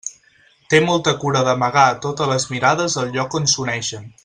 Té molta cura d'amagar a totes les mirades el lloc on s'uneixen.